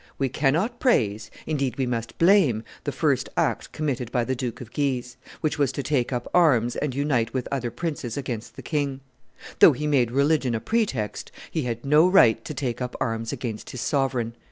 "We cannot praise, indeed we must blame, the first act committed by the Duke of Guise, which was to take up arms and unite with other princes against the king; though he made religion a pretext, he had no right to take up arms against his sovereign."